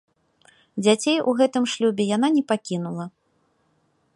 Дзяцей у гэтым шлюбе яна не пакінула.